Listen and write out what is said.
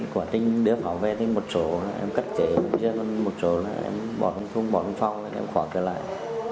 quản trình đưa pháo về thì một chỗ em cất chế một chỗ em bỏ thông thung bỏ thông pháo thì em khỏa kể lại